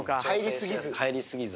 入り過ぎず。